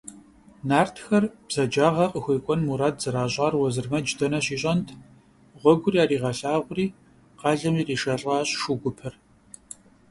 Нартхэр бзаджагъэ къыхуекӏуэн мурад зэращӏар Уэзырмэдж дэнэ щищӏэнт – гъуэгур яригъэлъагъури, къалэм иришэлӏащ шу гупыр.